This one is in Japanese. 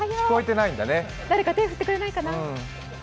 誰か手を振ってくれないかな。